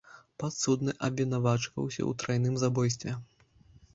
Падсудны абвінавачваўся ў трайным забойстве.